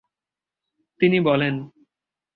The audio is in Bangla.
তিনি বলেন